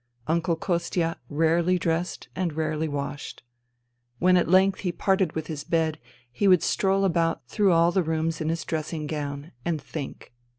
Uncle Kostia rarely dressed and rarely washed. When at length he parted with his bed he would stroll about through all the rooms in his dressing gown, and think.